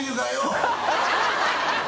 ハハハ